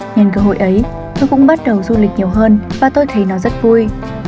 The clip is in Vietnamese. nhân cơ hội ấy tôi cũng bắt đầu du lịch nhiều hơn và tôi thấy nó rất vui